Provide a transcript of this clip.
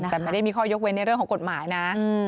แต่ไม่ได้มีข้อยกเว้นในกฎหมายนะ